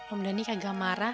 om dhani kagak marah